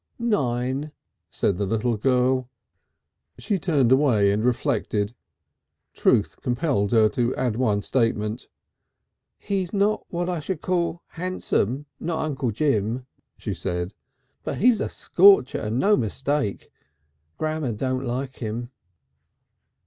"Nine," said the little girl. She turned away and reflected. Truth compelled her to add one other statement. "He's not what I should call handsome, not Uncle Jim," she said. "But he's a scorcher and no mistake.... Gramma don't like him."